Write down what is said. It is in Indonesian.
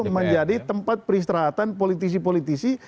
menjadi tempat peristirahatan politisi politisi